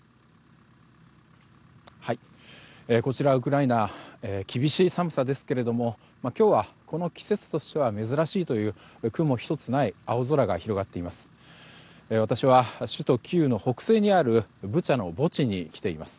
こちらウクライナ厳しい寒さですけれども今日はこの季節としては珍しいという雲ひとつない青空が広がっています。